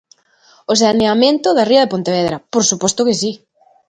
O saneamento da ría de Pontevedra, por suposto que si.